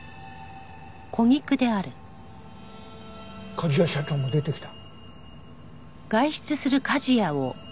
梶谷社長も出てきた。